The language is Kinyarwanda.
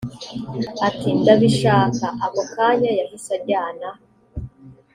ati ndabishaka ako kanya yahise ajyana